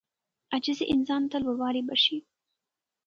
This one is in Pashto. عاجزي انسان ته لوړوالی بښي.